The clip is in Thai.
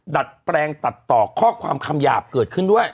ดัดแปลงตัดต่อข้อความคำหยาบเกิดขึ้นด้วย